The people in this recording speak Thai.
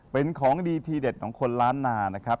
เป็นของดีทีเด็ดของคนล้านนานะครับ